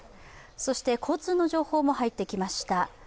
そして交通の情報も入ってきました。